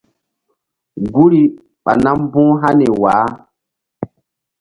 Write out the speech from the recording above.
Guri ɓa nam mbu̧h hani wah.